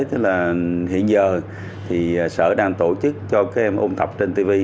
tức là hiện giờ thì sở đang tổ chức cho các em ôn tập trên tv